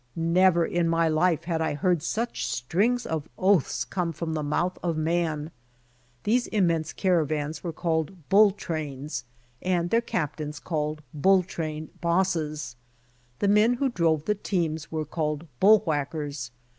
Never in my life had I heard such strings of oaths come from the mouth of man. These immense caravans were called bull trains and their captains called bull train bosses. The men who drove the teams were called bull whackers.